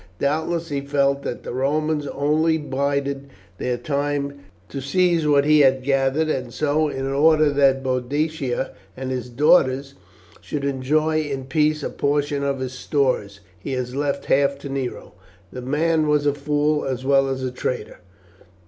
Doubtless he felt that the Romans only bided their time to seize what he had gathered, and so, in order that Boadicea and his daughters should enjoy in peace a portion of his stores, he has left half to Nero. The man was a fool as well as a traitor.